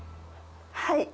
はい。